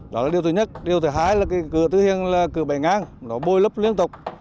đó là điều thứ nhất điều thứ hai là cửa tư hiền là cửa bảy ngang nó bôi lấp liên tục